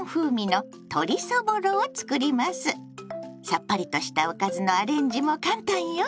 さっぱりとしたおかずのアレンジも簡単よ。